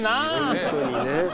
本当にね。